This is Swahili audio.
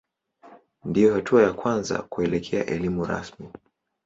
Ndiyo hatua ya kwanza kuelekea elimu rasmi.